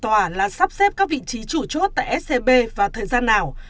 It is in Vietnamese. tại tòa là sắp xếp các vị trí chủ chốt tại scb và thời gian nào